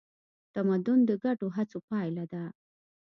تمدن د ګډو هڅو پایله ده.